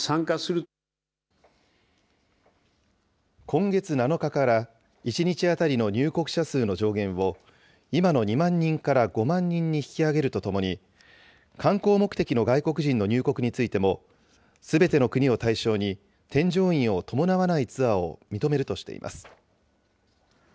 今月７日から、１日当たりの入国者数の上限を、今の２万人から５万人に引き上げるとともに、観光目的の外国人の入国についても、すべての国を対象に、添乗員を伴わないツアーを認めるとしています。